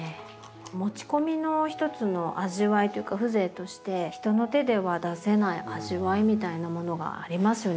持ち込みのひとつの味わいというか風情として人の手では出せない味わいみたいなものがありますよね。